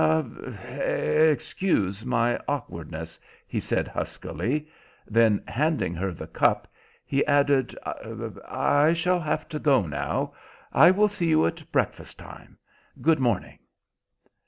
"Excuse my awkwardness," he said huskily; then, handing her the cup, he added, "I shall have to go now. I will see you at breakfast time. Good morning."